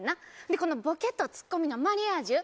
でこのボケとツッコミのマリアージュ。